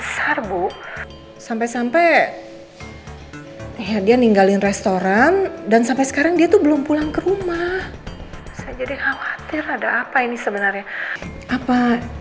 sampai jumpa di video selanjutnya